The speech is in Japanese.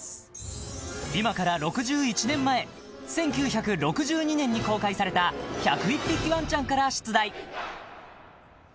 ［今から６１年前１９６２年に公開された『１０１匹わんちゃん』から出題］